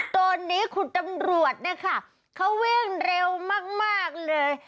ตอนนี้คุณตำรวจเนี่ยค่ะเขาวิ่งเร็วมากเลย